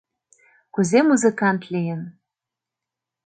Кузе музыкант лийын.